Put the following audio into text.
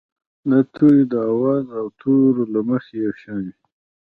دا توري د آواز او تورو له مخې یو شان وي.